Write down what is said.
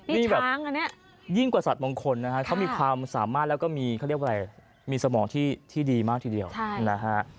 มีแบบช้างอันนี้ยิ่งกว่าสัตว์มงคลนะฮะเขามีความสามารถแล้วก็มีเขาเรียกว่ามีสมองที่ดีมากทีเดียวนะฮะ